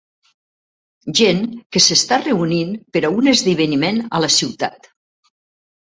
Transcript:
Gent que s'està reunint per a un esdeveniment a la ciutat.